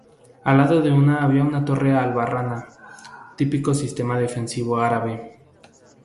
Al lado de ella había un torre albarrana, típico sistema defensivo árabe.